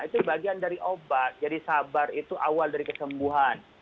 itu bagian dari obat jadi sabar itu awal dari kesembuhan